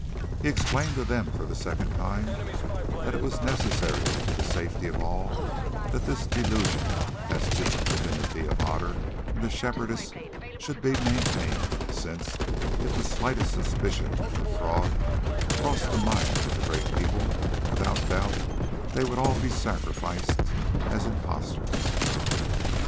He explained to them for the second time that it was necessary to the safety of all that this delusion as to the divinity of Otter and the Shepherdess should be maintained, since, if the slightest suspicion of the fraud crossed the minds of the Great People, without doubt they would all be sacrificed as impostors.